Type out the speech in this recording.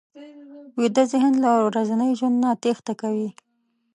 ویده ذهن له ورځني ژوند نه تېښته کوي